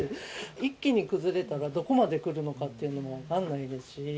一気に崩れたらどこまで来るのかっていうのも分かんないですし。